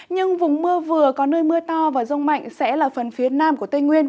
nhưng vùng mưa vừa có nơi mưa to và rông mạnh sẽ là phần phía nam của tây nguyên